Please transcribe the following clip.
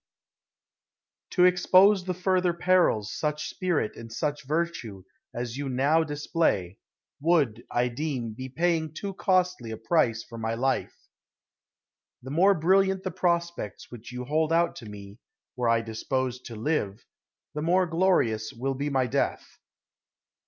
D.) To expose to further perils such spirit and such virtue as you now display, would, I deem, be paying too costly a price for my life. The more brilliant the prospects which you hold out to me, were I disposed to live, the more glorious will be my death.